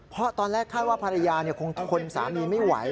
เพราะตอนแรกคาดว่าภรรยาคงทนสามีไม่ไหว